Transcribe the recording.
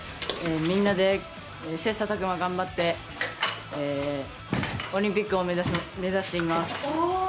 みんなで切さたく磨、頑張ってオリンピックを目指しています。